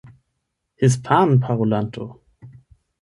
hispanparolanto